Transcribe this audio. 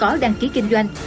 có đăng ký kinh doanh